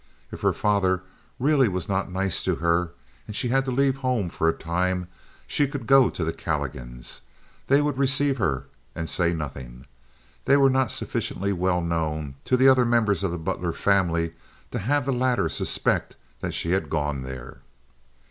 If her father really was not nice to her, and she had to leave home for a time, she could go to the Calligans. They would receive her and say nothing. They were not sufficiently well known to the other members of the Butler family to have the latter suspect that she had gone there.